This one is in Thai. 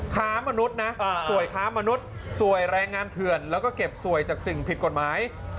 ค้ามนุษย์นะสวยค้ามนุษย์สวยแรงงานเถื่อนแล้วก็เก็บสวยจากสิ่งผิดกฎหมาย